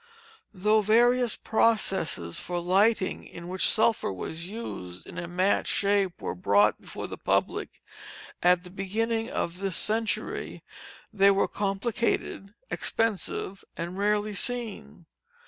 Though various processes for lighting in which sulphur was used in a match shape, were brought before the public at the beginning of this century, they were complicated, expensive, and rarely seen.